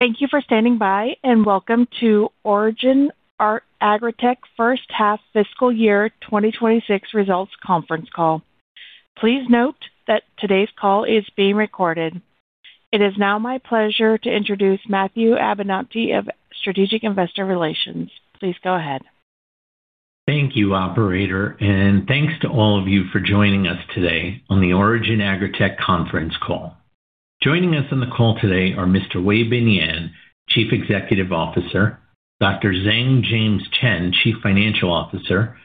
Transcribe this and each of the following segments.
Thank you for standing by, welcome to Origin Agritech First Half Fiscal Year 2026 Results Conference Call. Please note that today's call is being recorded. It is now my pleasure to introduce Matthew Abenante of Strategic Investor Relations. Please go ahead. Thank you, operator, and thanks to all of you for joining us today on the Origin Agritech conference call. Joining us on the call today are Mr. Weibin Yan, Chief Executive Officer, Dr. Zheng James Chen, Chief Financial Officer,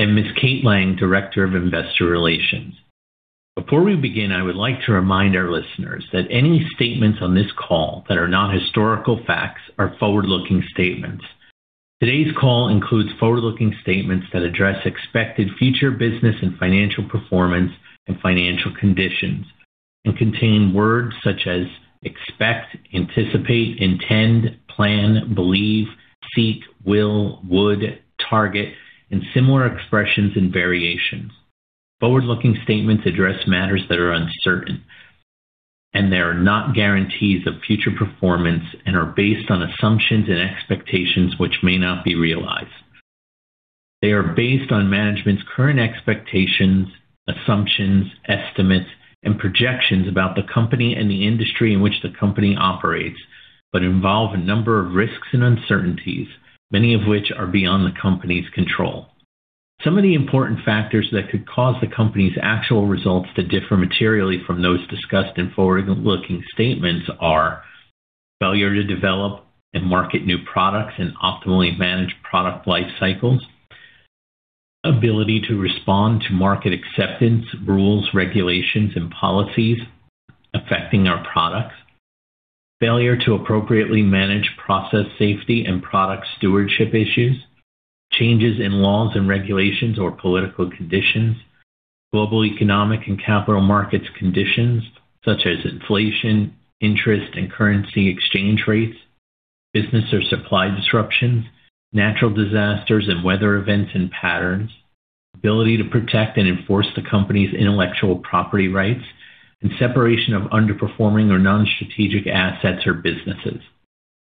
and Ms. Kate Lang, Director of Investor Relations. Before we begin, I would like to remind our listeners that any statements on this call that are not historical facts are forward-looking statements. Today's call includes forward-looking statements that address expected future business and financial performance and financial conditions, and contain words such as expect, anticipate, intend, plan, believe, seek, will, would, target, and similar expressions and variations. Forward-looking statements address matters that are uncertain, and they are not guarantees of future performance and are based on assumptions and expectations which may not be realized. They are based on management's current expectations, assumptions, estimates, and projections about the company and the industry in which the company operates but involve a number of risks and uncertainties, many of which are beyond the company's control. Some of the important factors that could cause the company's actual results to differ materially from those discussed in forward-looking statements are failure to develop and market new products and optimally manage product life cycles, ability to respond to market acceptance, rules, regulations, and policies affecting our products, failure to appropriately manage process safety and product stewardship issues, changes in laws and regulations or political conditions, global economic and capital markets conditions such as inflation, interest, and currency exchange rates, business or supply disruptions, natural disasters and weather events and patterns, ability to protect and enforce the company's intellectual property rights, and separation of underperforming or non-strategic assets or businesses.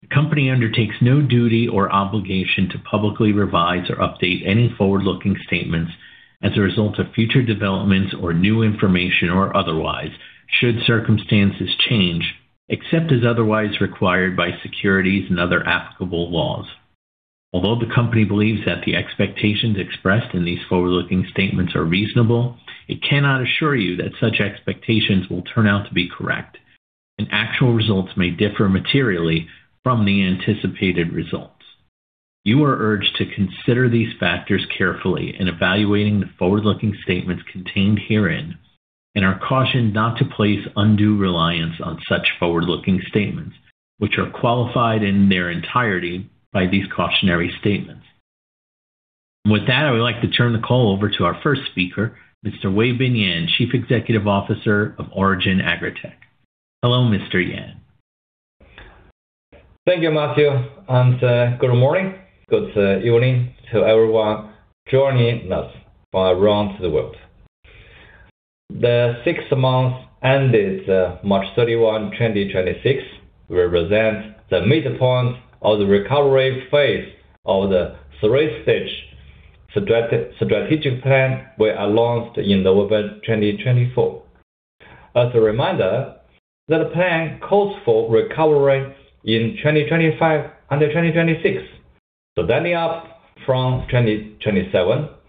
The company undertakes no duty or obligation to publicly revise or update any forward-looking statements as a result of future developments or new information or otherwise, should circumstances change, except as otherwise required by securities and other applicable laws. Although the company believes that the expectations expressed in these forward-looking statements are reasonable, it cannot assure you that such expectations will turn out to be correct, and actual results may differ materially from the anticipated results. You are urged to consider these factors carefully in evaluating the forward-looking statements contained herein and are cautioned not to place undue reliance on such forward-looking statements, which are qualified in their entirety by these cautionary statements. With that, I would like to turn the call over to our first speaker, Mr. Weibin Yan, Chief Executive Officer of Origin Agritech. Hello, Mr. Yan. Thank you, Matthew Abenante, good morning, good evening to everyone joining us from around the world. The six months ended March 31, 2026, represent the midpoint of the recovery phase of the three-stage strategic plan we announced in November 2024. Up from 2027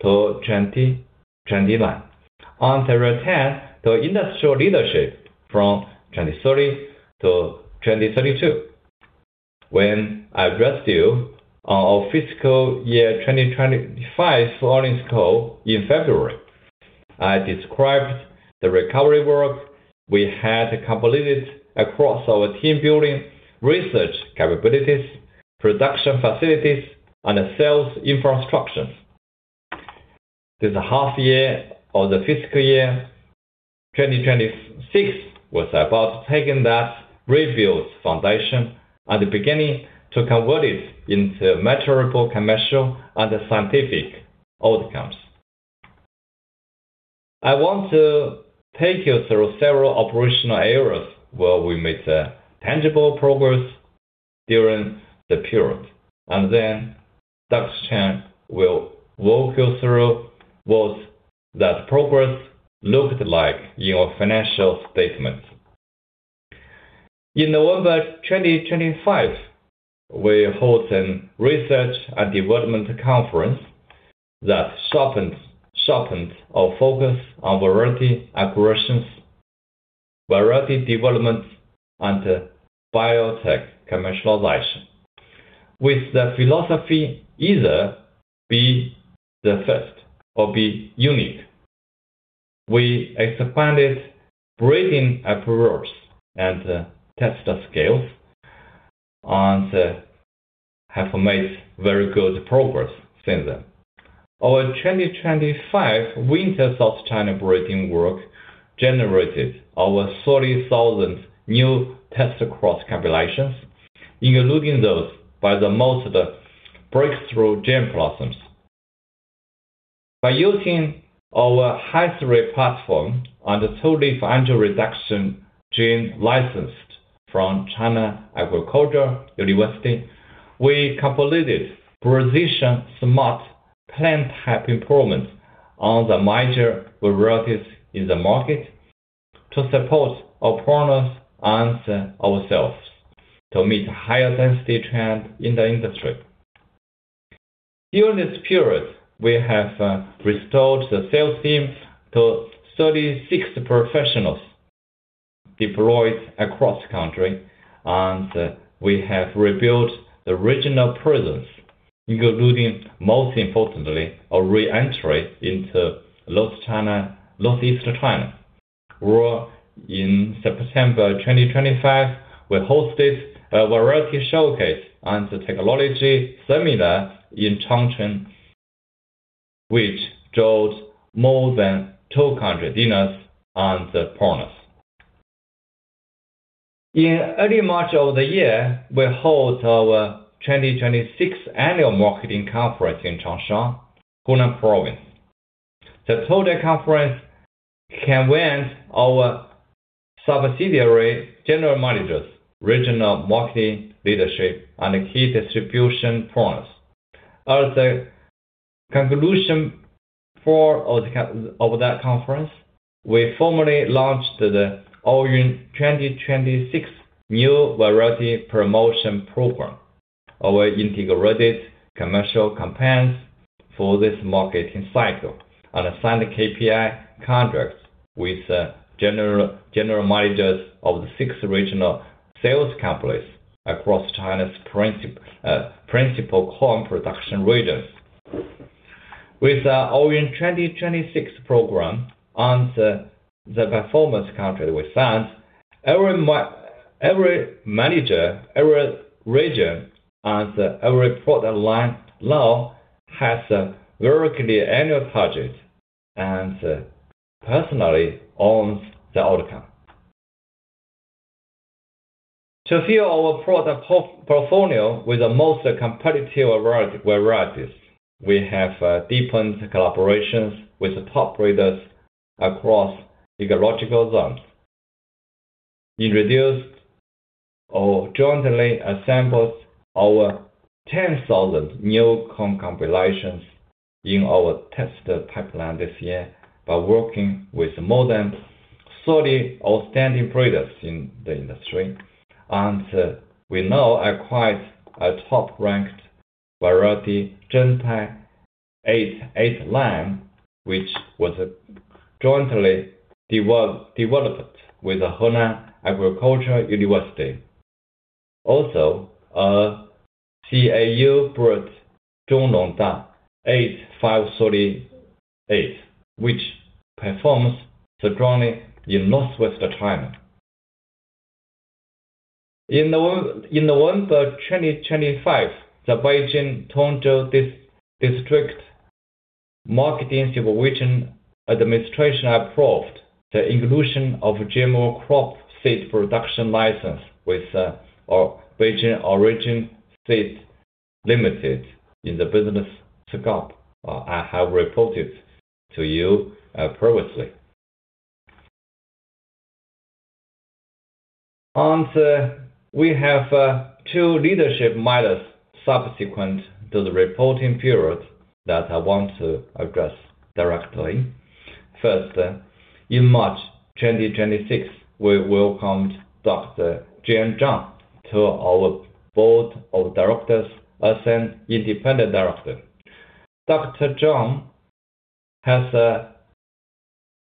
to 2029. Return to industrial leadership from 2030 to 2032. When I addressed you on our fiscal year 2025 earnings call in February, I described the recovery work we had completed across our team building research capabilities, production facilities, and sales infrastructure. This half year of the fiscal year 2026 was about taking that rebuilt foundation and beginning to convert it into measurable commercial and scientific outcomes. I want to take you through several operational areas where we made tangible progress during the period, and then Dr. Chen will walk you through what that progress looked like in our financial statements. In November 2025, we held a research and development conference that sharpened our focus on variety acquisitions, variety developments, and biotech commercialization. With the philosophy either be the first or be unique, we expanded breeding approach and test scales and have made very good progress since then. Our 2025 winter South China breeding work generated over 30,000 new test cross combinations, including those by the most breakthrough gene platforms. By using our Hi3 platform and the leaf-angle reduction gene licensed from China Agricultural University, we completed precision smart plant type improvements on the major varieties in the market to support our partners and ourselves to meet higher density trend in the industry. During this period, we have restored the sales team to 36 professionals deployed across country, and we have rebuilt the regional presence, including, most importantly, a re-entry into North East China, where in September 2025, we hosted a variety showcase and technology seminar in Changchun, which drew more than 200 dealers and partners. In early March of the year, we held our 2026 annual marketing conference in Changsha, Hunan Province. The total conference convened our subsidiary general managers, regional marketing leadership, and key distribution partners. As a conclusion of that conference, we formally launched the Aoyu 2026 new variety promotion program, our integrated commercial campaigns for this marketing cycle, and signed KPI contracts with general managers of the six regional sales companies across China's principal corn production regions. With the Aoyu 2026 program and the performance contract we signed, every manager, every region, and every product line now has a very clear annual target and personally owns the outcome. To fill our product portfolio with the most competitive varieties, we have deepened collaborations with top breeders across ecological zones, introduced or jointly assembled over 10,000 new corn combinations in our test pipeline this year by working with more than 30 outstanding breeders in the industry. We now acquired a top-ranked variety, Zhengtai 889, which was jointly developed with the Hunan Agricultural University. Also, a CAU bred Zhongnongda 8538, which performs strongly in Northwest China. In November 2025, the Beijing Tongzhou District Market Supervision Administration approved the inclusion of GMO crop seed production license with our Beijing Origin Seed Limited in the business scope, as I have reported to you previously. We have two leadership miles subsequent to the reporting period that I want to address directly. First, in March 2026, we welcomed Dr. Jian Zhang to our Board of Directors as an Independent Director. Dr. Zhang has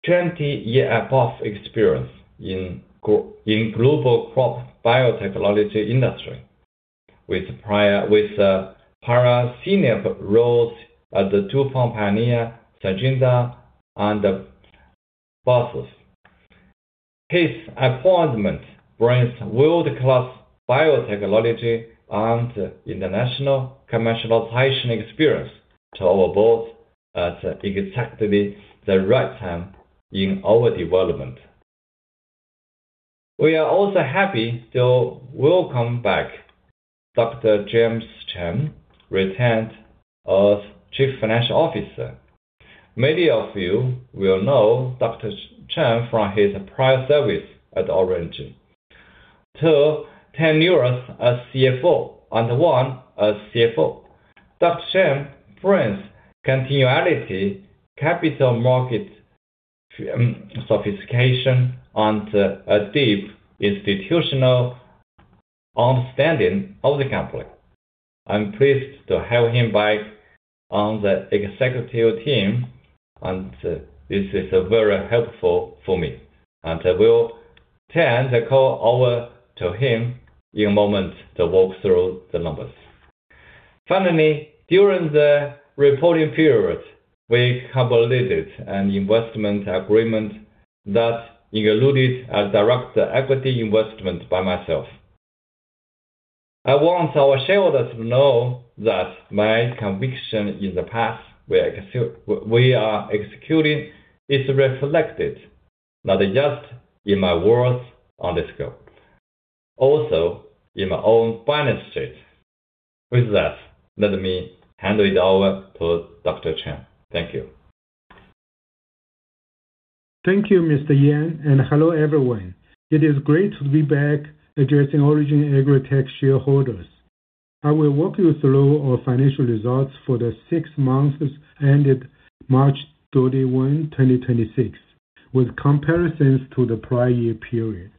20 year above experience in global crop biotechnology industry with prior senior roles at the DuPont Pioneer, Syngenta, and BASF. His appointment brings world-class biotechnology and international commercialization experience to our Board at exactly the right time in our development. We are also happy to welcome back Dr. James Chen, retained as Chief Financial Officer. Many of you will know Dr. Chen from his prior service at Origin. Two tenures as CFO and one as CFO. Dr. Chen brings continuity, capital market sophistication, and a deep institutional understanding of the company. I'm pleased to have him back on the executive team, and this is very helpful for me, and I will turn the call over to him in a moment to walk through the numbers. Finally, during the reporting period, we completed an investment agreement that included a direct equity investment by myself. I want our shareholders to know that my conviction in the path we are executing is reflected not just in my words on this call, also in my own financial state. With that, let me hand it over to Dr. Chen. Thank you. Thank you, Mr. Yan, and hello everyone. It is great to be back addressing Origin Agritech shareholders. I will walk you through our financial results for the six months ended March 31, 2026, with comparisons to the prior year period.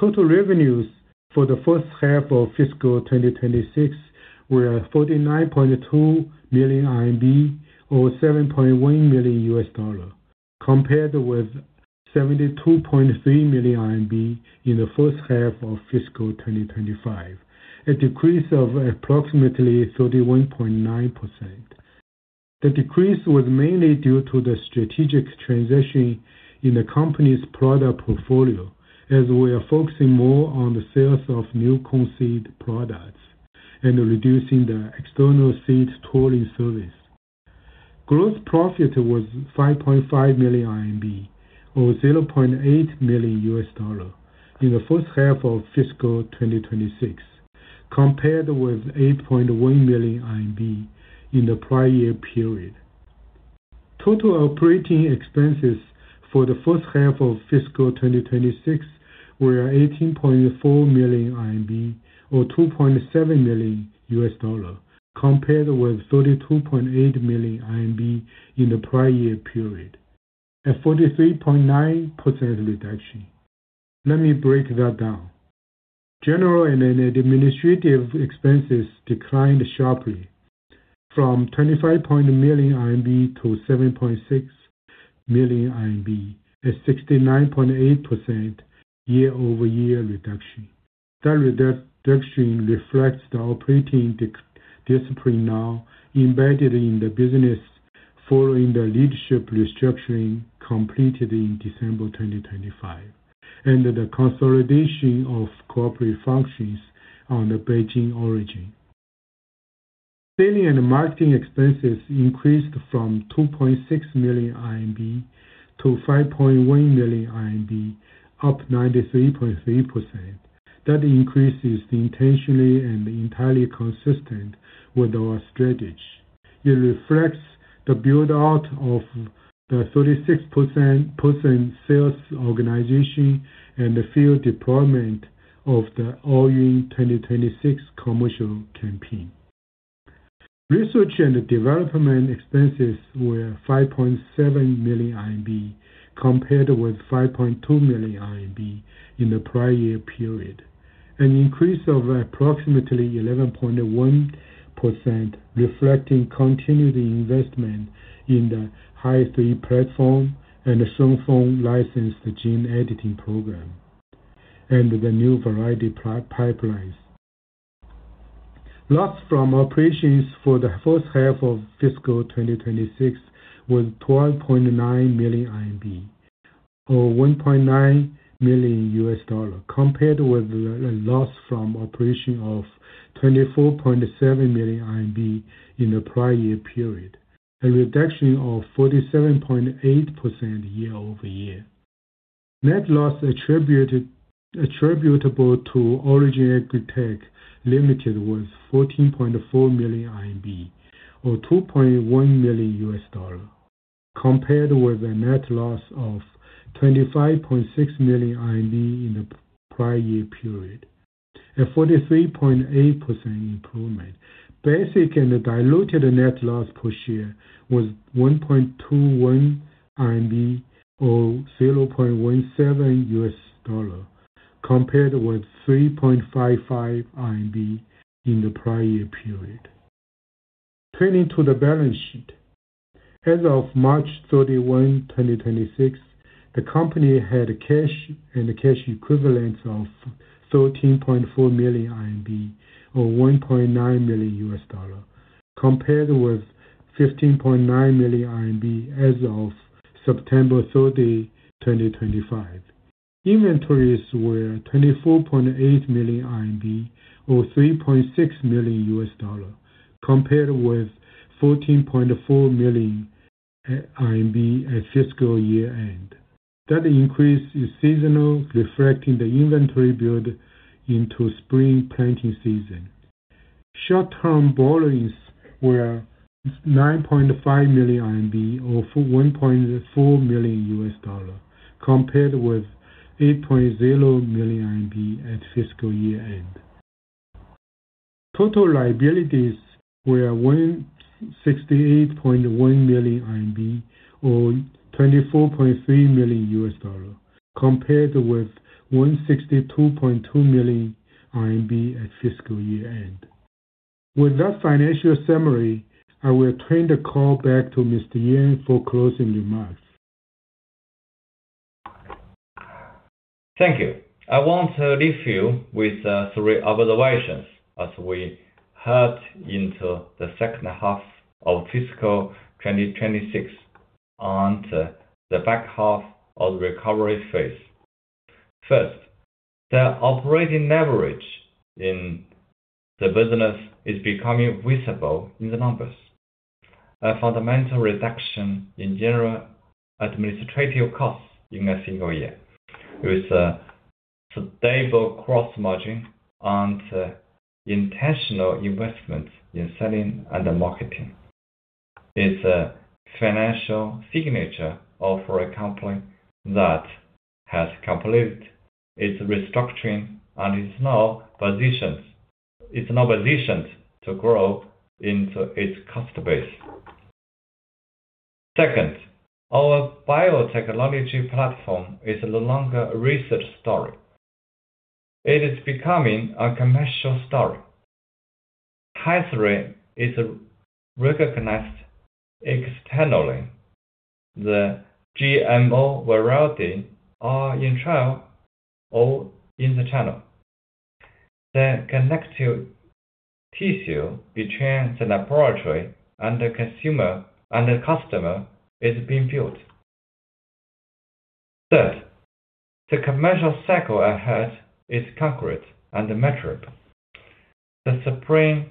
Total revenues for the first half of fiscal 2026 were 49.2 million RMB, or $7.1 million, compared with 72.3 million RMB in the first half of fiscal 2025, a decrease of approximately 31.9%. The decrease was mainly due to the strategic transition in the company's product portfolio, as we are focusing more on the sales of new corn seed products and reducing the external seed tolling service. Gross profit was 5.5 million RMB, or $0.8 million in the first half of fiscal 2026, compared with 8.1 million RMB in the prior year period. Total operating expenses for the first half of fiscal 2026 were 18.4 million RMB or $2.7 million, compared with 32.8 million RMB in the prior year period, a 43.9% reduction. Let me break that down. General and administrative expenses declined sharply from 25 million RMB to 7.6 million RMB, a 69.8% year-over-year reduction. That reduction reflects the operating discipline now embedded in the business following the leadership restructuring completed in December 2025 and the consolidation of corporate functions on the Beijing Origin. Selling and marketing expenses increased from 2.6 million RMB to 5.1 million RMB, up 93.3%. That increase is intentionally and entirely consistent with our strategy. It reflects the build-out of the 36-person sales organization and the field deployment of the Aoyu 2026 commercial campaign. Research and development expenses were 5.7 million RMB compared with 5.2 million RMB in the prior year period, an increase of approximately 11.1%, reflecting continued investment in the Hi3 platform and the Shunfeng licensed gene editing program, and the new variety pipelines. Loss from operations for the first half of fiscal 2026 was 12.9 million RMB or $1.9 million, compared with a loss from operation of 24.7 million RMB in the prior year period, a reduction of 47.8% year-over-year. Net loss attributable to Origin Agritech Ltd. was 14.4 million RMB or $2.1 million, compared with a net loss of 25.6 million RMB in the prior year period, a 43.8% improvement. Basic and diluted net loss per share was 1.21 RMB or $0.17, compared with 3.55 RMB in the prior year period. Turning to the balance sheet. As of March 31, 2026, the company had a cash and cash equivalent of 13.4 million RMB or $1.9 million, compared with 15.9 million RMB as of September 30, 2025. Inventories were 24.8 million RMB or $3.6 million, compared with 14.4 million RMB at fiscal year-end. That increase is seasonal, reflecting the inventory build into spring planting season. Short-term borrowings were 9.5 million RMB or $1.4 million, compared with 8.0 million RMB at fiscal year-end. Total liabilities were 168.1 million RMB or $24.3 million, compared with 162.2 million RMB at fiscal year-end. With that financial summary, I will turn the call back to Mr. Yan for closing remarks. Thank you. I want to leave you with three observations as we head into the second half of fiscal 2026 on the back half of the recovery phase. The operating leverage in the business is becoming visible in the numbers. A fundamental reduction in general administrative costs in one fiscal year. With a stable gross margin and intentional investments in selling and marketing. It's a financial signature of a company that has completed its restructuring and is now positioned to grow into its customer base. Our biotechnology platform is no longer a research story. It is becoming a commercial story. Hi3 is recognized externally. The GMO varieties are in trial or in the channel. The connective tissue between the laboratory and the customer is being built. The commercial cycle ahead is concrete and metered. The spring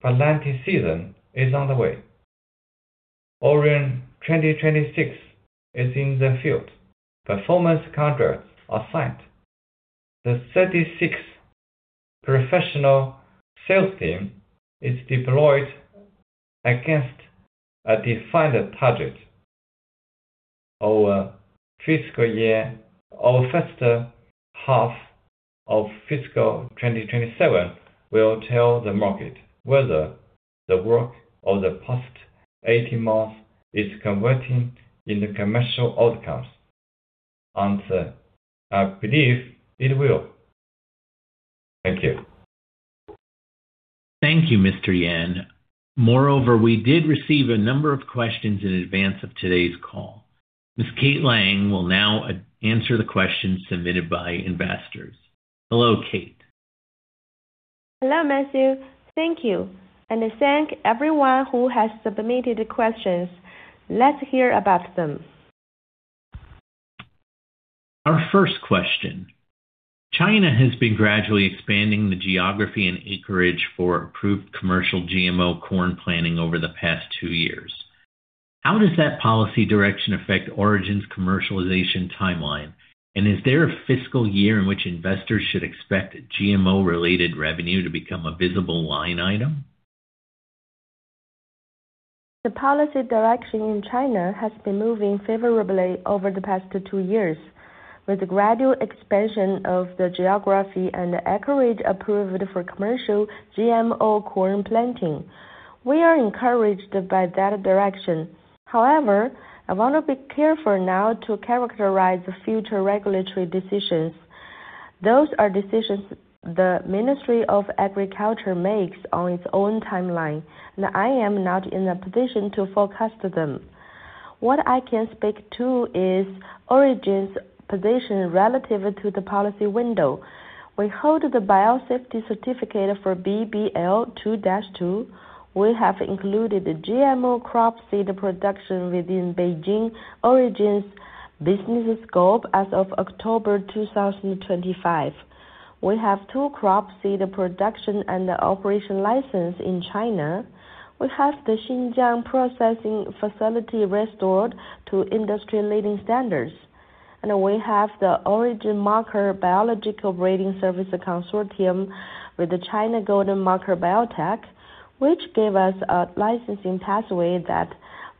planting season is on the way. Aoyu 2026 is in the field. Performance contracts are signed. The 36 professional sales team is deployed against a defined target. Our first half of fiscal 2027 will tell the market whether the work of the past 18 months is converting into commercial outcomes. I believe it will. Thank you. Thank you, Mr. Yan. Moreover, we did receive a number of questions in advance of today's call. Ms. Kate Lang will now answer the questions submitted by investors. Hello, Kate. Hello, Matthew. Thank you. Thank everyone who has submitted questions. Let's hear about them. Our first question. China has been gradually expanding the geography and acreage for approved commercial GMO corn planting over the past two years. How does that policy direction affect Origin's commercialization timeline? Is there a fiscal year in which investors should expect GMO-related revenue to become a visible line item? The policy direction in China has been moving favorably over the past two years, with gradual expansion of the geography and acreage approved for commercial GMO corn planting. We are encouraged by that direction. However, I want to be careful now to characterize future regulatory decisions. Those are decisions the Ministry of Agriculture makes on its own timeline, and I am not in a position to forecast them. What I can speak to is Origin's position relative to the policy window. We hold the biosafety certificate for BBL2-2. We have included GMO crop seed production within Beijing Origin's business scope as of October 2025. We have two crop seed production and operation license in China. We have the Xinjiang processing facility restored to industry leading standards. We have the Origin Marker Biological Breeding Service Consortium with the China Golden Marker Biotech, which gave us a licensing pathway that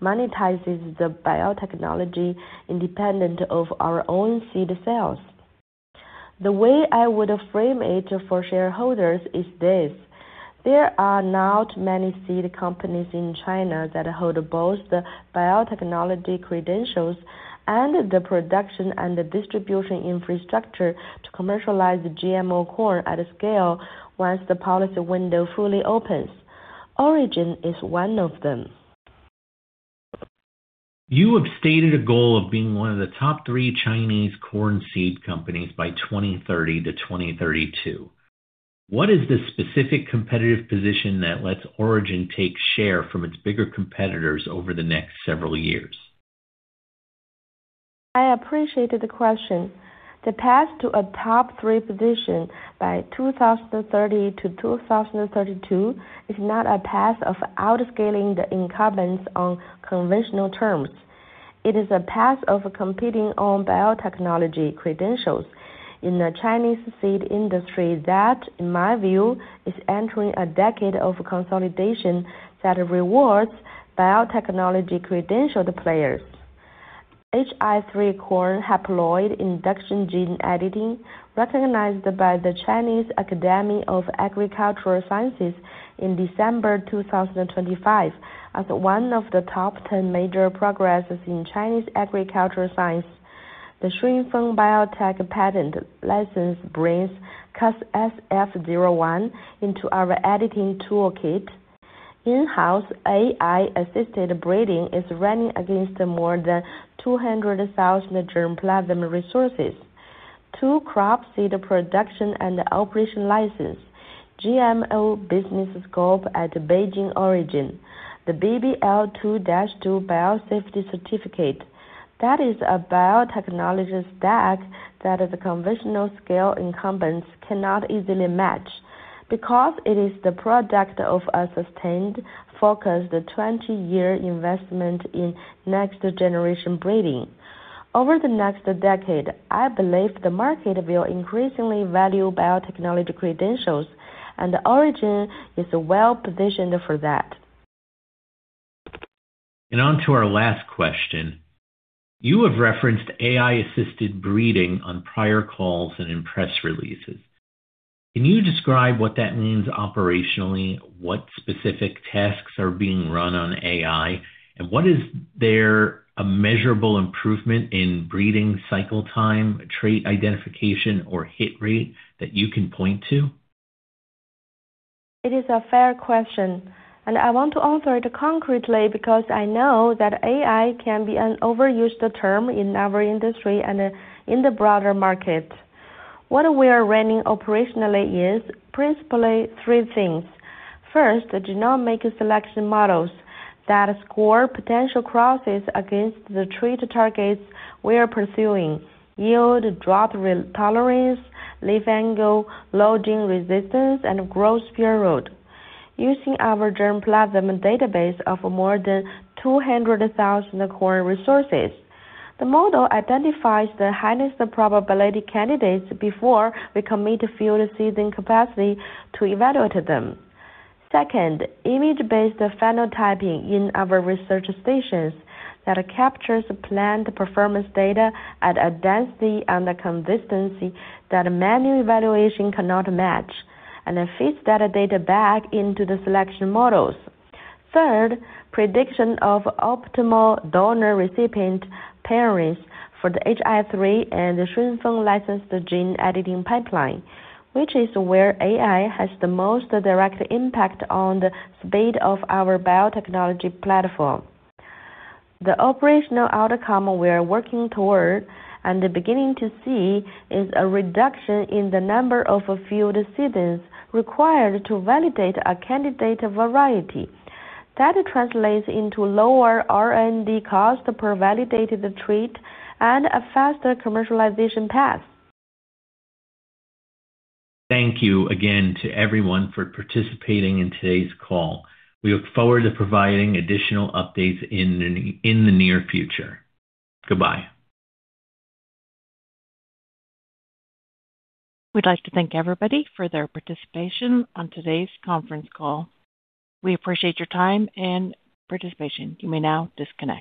monetizes the biotechnology independent of our own seed sales. The way I would frame it for shareholders is this. There are not many seed companies in China that hold both the biotechnology credentials and the production and the distribution infrastructure to commercialize GMO corn at scale once the policy window fully opens. Origin is one of them. You have stated a goal of being one of the top three Chinese corn seed companies by 2030 to 2032. What is the specific competitive position that lets Origin take share from its bigger competitors over the next several years? I appreciate the question. The path to a top three position by 2030 to 2032 is not a path of outscaling the incumbents on conventional terms. It is a path of competing on biotechnology credentials in the Chinese seed industry that, in my view, is entering a decade of consolidation that rewards biotechnology-credentialed players. Hi3 corn haploid induction gene editing recognized by the Chinese Academy of Agricultural Sciences in December 2025 as one of the top 10 major progresses in Chinese agricultural science. The Shunfeng BioTech patent license brings Cas-SF01 into our editing toolkit. In-house AI-assisted breeding is running against more than 200,000 germplasm resources. Two crop seed production and operation license. GMO business scope at Beijing Origin. The BBL2-2 biosafety certificate. That is a biotechnology stack that the conventional scale incumbents cannot easily match. Because it is the product of a sustained, focused 20-year investment in next generation breeding. Over the next decade, I believe the market will increasingly value biotechnology credentials, and Origin is well-positioned for that. Onto our last question. You have referenced AI-assisted breeding on prior calls and in press releases. Can you describe what that means operationally? What specific tasks are being run on AI? What, is there a measurable improvement in breeding cycle time, trait identification, or hit rate that you can point to? It is a fair question. I want to answer it concretely because I know that AI can be an overused term in our industry and in the broader market. What we are running operationally is principally three things. First, genomic selection models that score potential crosses against the trait targets we are pursuing: yield, drought tolerance, leaf angle, lodging resistance, and growth period. Using our germplasm database of more than 200,000 corn resources, the model identifies the highest probability candidates before we commit field seeding capacity to evaluate them. Second, image-based phenotyping in our research stations that captures plant performance data at a density and a consistency that manual evaluation cannot match, and then feeds that data back into the selection models. Third, prediction of optimal donor-recipient pairings for the Hi3 and Shunfeng licensed gene editing pipeline, which is where AI has the most direct impact on the speed of our biotechnology platform. The operational outcome we are working toward and beginning to see is a reduction in the number of field seedings required to validate a candidate variety. That translates into lower R&D cost per validated trait and a faster commercialization path. Thank you again to everyone for participating in today's call. We look forward to providing additional updates in the near future. Goodbye. We'd like to thank everybody for their participation on today's conference call. We appreciate your time and participation. You may now disconnect.